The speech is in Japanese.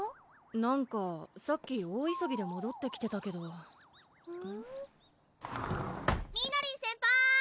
なんかさっき大急ぎでもどってきてたけどみのりん先輩！